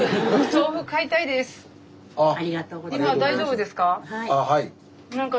今大丈夫ですか？